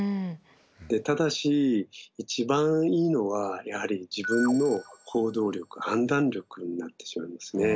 ただし一番いいのはやはり自分の行動力・判断力になってしまうんですね。